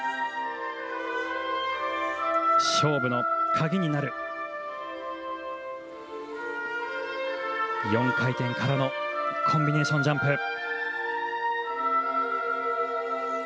勝負の鍵になる、４回転からのコンビネーションジャンプ。